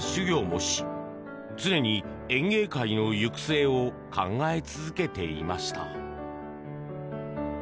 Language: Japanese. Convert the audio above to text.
もし常に園芸界の行く末を考え続けていました。